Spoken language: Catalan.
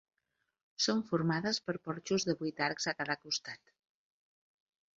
Són formades per porxos de vuit arcs a cada costat.